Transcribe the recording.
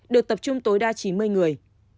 được tập trung tối đa chín mươi người